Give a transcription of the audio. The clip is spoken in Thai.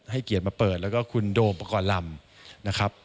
ให้เกียรติมาเปิดแล้วก็คุณโดมประกอบลำนะครับ